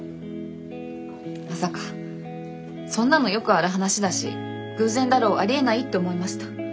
まさかそんなのよくある話だし偶然だろうありえないって思いました。